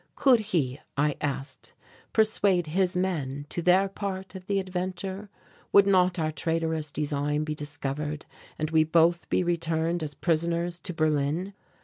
Could he, I asked, persuade his men to their part of the adventure? Would not our traitorous design be discovered and we both be returned as prisoners to Berlin?